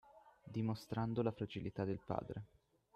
Dimostrando la fragilità del padre.